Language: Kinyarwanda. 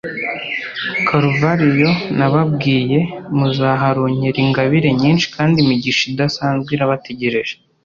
karuvariyo nababwiye; muzaharonkera ingabire nyinshi, kandi imigisha idasanzwe irabategereje